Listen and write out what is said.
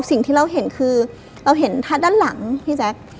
สิ่งที่เราเห็นคือเราเห็นทัศน์ด้านหลังพี่แจ๊ค